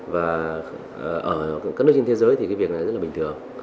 và ở các nước trên thế giới thì cái việc này rất là bình thường